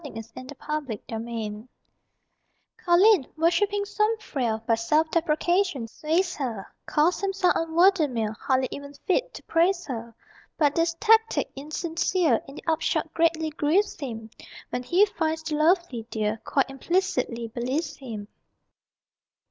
_ CAUGHT IN THE UNDERTOW Colin, worshipping some frail, By self deprecation sways her: Calls himself unworthy male, Hardly even fit to praise her. But this tactic insincere In the upshot greatly grieves him When he finds the lovely dear Quite implicitly believes him.